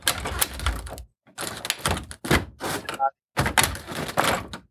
La "Urcos" se enfrentó contra las torpederas chilenas "Janequeo" y "Guacolda".